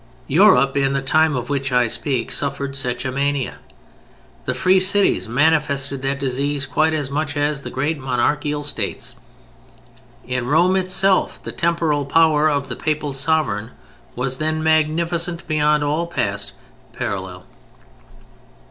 Europe, in the time of which I speak, suffered such a mania. The free cities manifested that disease quite as much as the great monarchical states. In Rome itself the temporal power of the Papal sovereign was then magnificent beyond all past parallel.